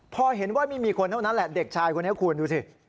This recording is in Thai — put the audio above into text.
พอเห็นว่าไม่มีคนเท่านั้นแหละเด็กชายคนนี้คุณดูสิ